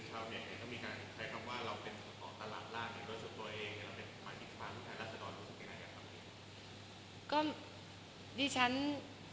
แล้วเป็นหมายคิดภาพสุดท้ายรัศจรรย์รู้สึกยังไงอยากทำอย่างนี้